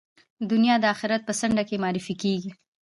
دنیا د آخرت په څنډه کې معرفي کېږي.